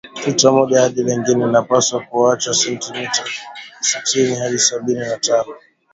Tuta moja hadi lingine inapaswa kuachwa sentimita sitini hadi sabini na tano